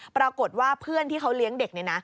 ปรากฏว่าเพื่อนที่เขาเลี้ยงเด็กเนี่ยนะ